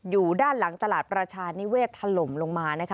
อยู่ด้านหลังตลาดประชานิเวศทะลมลงมา